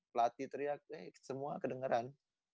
pelatih teriak semua kedengeran